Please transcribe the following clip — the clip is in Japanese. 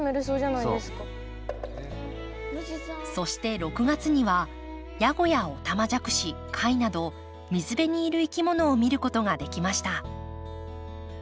そして６月にはヤゴやオタマジャクシ貝など水辺にいるいきものを見ることができました。